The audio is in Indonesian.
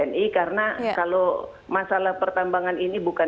tni karena kalau masalah pertambangan ini bukan